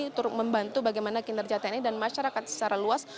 untuk membantu bagaimana kinerja tni dan masyarakat secara luas